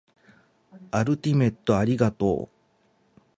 アルティメットありがとう